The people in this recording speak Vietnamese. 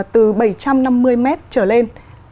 từ bảy trăm năm mươi mét trở lên